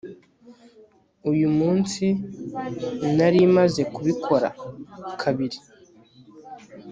uyu munsi nari maze kubikora kabiri